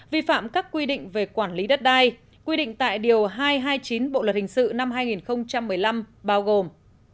vi phạm các quy định về quản lý đất đai quy định tại điều hai trăm hai mươi chín bộ luật hình sự năm hai nghìn một mươi năm bao gồm